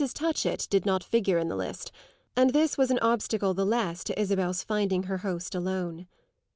Touchett did not figure in the list, and this was an obstacle the less to Isabel's finding her host alone.